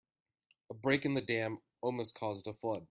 A break in the dam almost caused a flood.